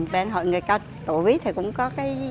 bên hội người cao tổ ví thì cũng có